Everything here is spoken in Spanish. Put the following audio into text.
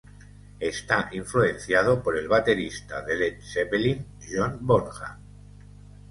Está influenciado por el baterista de Led Zeppelin, John Bonham.